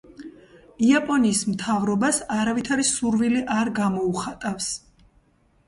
იაპონიის მთავრობას არავითარი სურვილი არ გამოუხატავს.